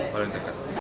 paling dekat di sini